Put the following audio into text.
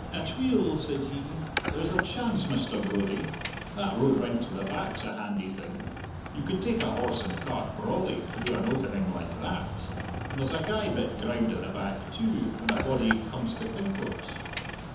"Atweel," said he, "there's a chance, Mr. Brodie. That road round to the back's a handy thing. You could take a horse and cart brawly through an opening like that. And there's a gey bit ground at the back, too, when a body comes to think o't."